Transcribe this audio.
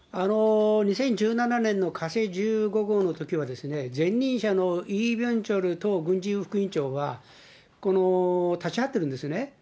２０１７年の火星１５号のときは、前任者のイ・ビョンチョル党軍事副委員長が立ち会ってるんですね。